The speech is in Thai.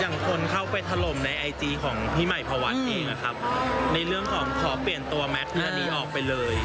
คนเข้าไปถล่มในไอจีของพี่ใหม่พวัฒน์เองนะครับในเรื่องของขอเปลี่ยนตัวแมทเรื่องนี้ออกไปเลย